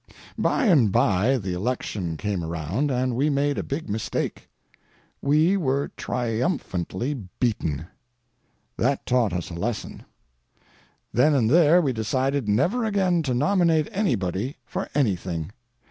By and by the election came around, and we made a big mistake. We were triumphantly beaten. That taught us a lesson. Then and there we decided never again to nominate anybody for anything.